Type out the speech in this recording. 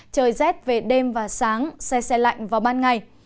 trời rét về đêm và sáng xe xe lạnh vào ban ngày